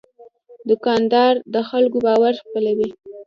دوکاندار د خلکو باور خپلوي.